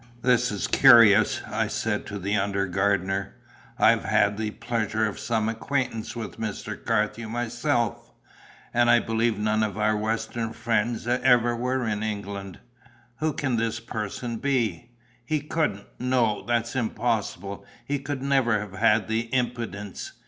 "This is curious," I said to the under gardener. "I have had the pleasure of some acquaintance with Mr. Carthew myself; and I believe none of our western friends ever were in England. Who can this person be? He couldn't no, that's impossible, he could never have had the impudence.